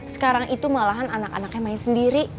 sekarang itu malahan anak anaknya main sendiri